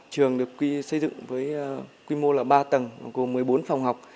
trường được xây dựng với quy mô là ba tầng gồm một mươi bốn phòng học